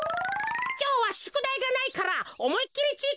きょうはしゅくだいがないからおもいっきりちぃ